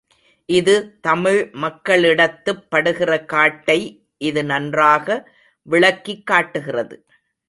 இது தமிழ் மக்களிடத்துப் படுகிற காட்டை இது நன்றாக விளக்கிக் காட்டுகிறது.